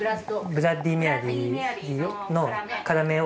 ブラッディーメアリーの辛めを１つ？